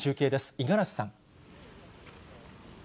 五十嵐さん。